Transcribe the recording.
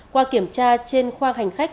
qua kiểm tra trên khoang hành khách